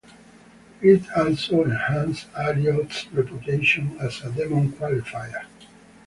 It also enhanced Alliot's reputation as a demon qualifier.